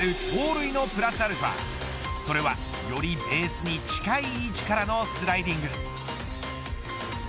盗塁のプラスαそれはよりベースに近い位置からのスライディング。